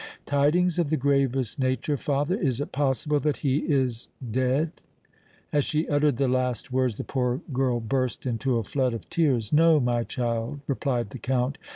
"Tidings of the gravest nature, father! Is it possible that he is dead?" As she uttered the last words, the poor girl burst into a flood of tears. "No, my child," replied the Count.